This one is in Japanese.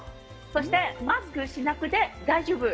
そして、マスクしなくて大丈夫！